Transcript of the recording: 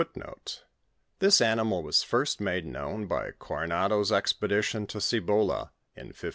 X This animal was first made known by Coronado's expedition to Cibola, in 1640.